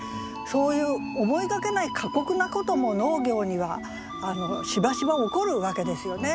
そういう思いがけない過酷なことも農業にはしばしば起こるわけですよね。